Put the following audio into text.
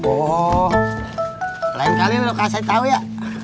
oh lain kali lo kasih tau ya